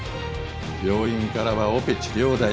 病院からはオペ治療代。